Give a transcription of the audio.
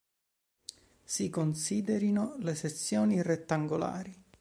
Si considerino le sezioni rettangolari.